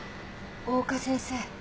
大岡先生。